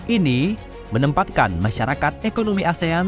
ini menempatkan masyarakat ekonomi asean